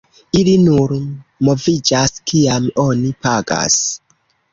Ili nur moviĝas kiam oni pagas.